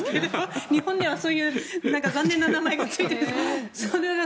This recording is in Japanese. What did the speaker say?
日本ではそういう残念な名前がついていて。